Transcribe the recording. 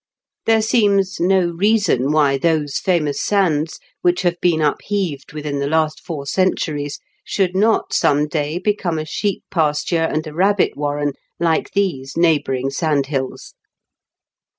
There seems no reason why those famous sands, which have been upheaved within the last four centuries, should not some day become a sheep pasture and a rabbit warren, like these neighbouring sand hills.